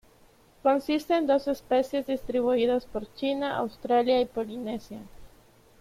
Consiste en dos especies distribuidas por China, Australia y Polinesia.